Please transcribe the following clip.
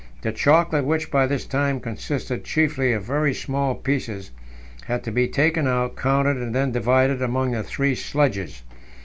The chocolate, which by this time consisted chiefly of very small pieces, had to be taken out, counted, and then divided among the three sledges.